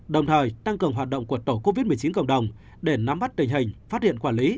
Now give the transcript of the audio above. đồng thời tăng cường hoạt động của tổ covid một mươi chín cộng đồng để nắm bắt tình hình phát hiện quản lý